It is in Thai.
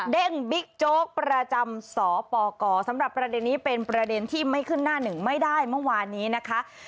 บิ๊กโจ๊กประจำสปกสำหรับประเด็นนี้เป็นประเด็นที่ไม่ขึ้นหน้าหนึ่งไม่ได้เมื่อวานนี้นะคะ